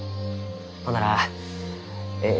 ほんならえい